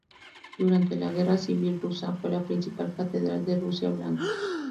Durante la Guerra Civil rusa fue la principal catedral de Rusia Blanca.